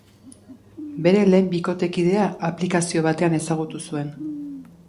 Bere lehen bikotekidea aplikazio batean ezagutu zuen.